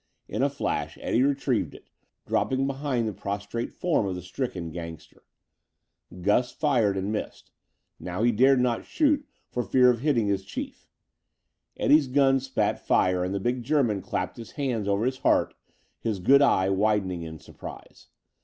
In a flash Eddie retrieved it, dropping behind the prostrate form of the stricken gangster. Gus had fired and missed. Now he dared not shoot for fear of hitting his chief. Eddie's gun spat fire and the big German clapped his hands over his heart, his good eye widening in surprise.